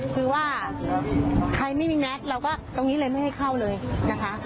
คือว่าใครไม่มีแม็กซ์เราก็ตรงนี้เลยไม่ให้เข้าเลยนะคะ